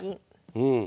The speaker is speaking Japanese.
うん。